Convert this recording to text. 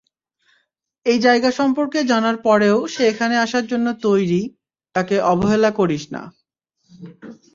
এই জায়গা সম্পর্কে জানার পরেও সে এখানে আসার জন্য তৈরী তাকে অবহেলা করিস না।